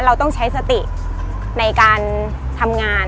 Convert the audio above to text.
เราต้องใช้สติในการทำงาน